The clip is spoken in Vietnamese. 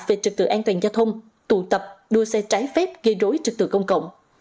về trật tự an toàn giao thông tụ tập đua xe trái phép gây rối trật tự công cộng